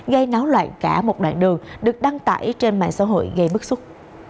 gây náo loạn cả một đoạn đường được đăng tải trên mạng xã hội gây bức xúc